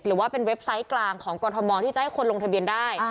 หรือว่าเป็นเว็บไซต์กลางของกรทมที่จะให้คนลงทะเบียนได้